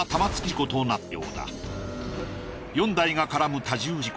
４台が絡む多重事故。